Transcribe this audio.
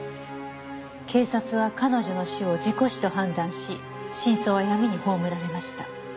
「警察は彼女の死を事故死と判断し真相は闇に葬られました」